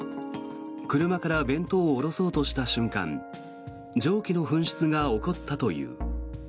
車から弁当を下ろそうとした瞬間蒸気の噴出が起こったという。